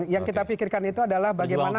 yang kita pikirkan itu adalah bagaimana